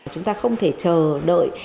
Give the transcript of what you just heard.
chúng ta không thể chờ đợi